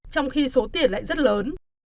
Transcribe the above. trong khi số tiền lại rất lớn